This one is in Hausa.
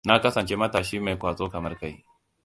Na kasance matashi mai kwazo kamar kai.